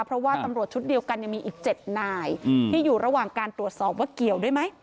เพราะว่าตำรวจชุดเดียวกันยังมีอีก๗นายที่อยู่ระหว่างการตรวจสอบว่าเกี่ยวด้วยไหม